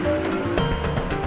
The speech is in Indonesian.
tidak ada yang bisa dihentikan